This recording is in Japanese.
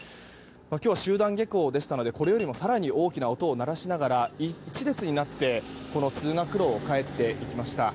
今日は集団下校でしたのでこれよりも更に大きな音を鳴らしながら、１列になって通学路を帰っていきました。